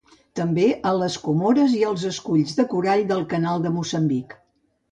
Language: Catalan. També a les Comores i als esculls de corall del Canal de Moçambic.